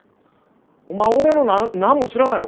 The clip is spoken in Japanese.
お前俺の何も知らんやろ！